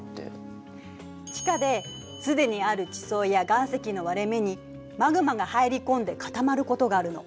地下ですでにある地層や岩石の割れ目にマグマが入り込んで固まることがあるの。